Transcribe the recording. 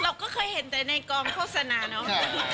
เราก็เคยเห็นแต่ในกล่องเข้าสนาน้ว